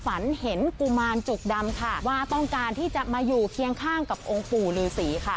ฝันเห็นกุมารจุกดำค่ะว่าต้องการที่จะมาอยู่เคียงข้างกับองค์ปู่ฤษีค่ะ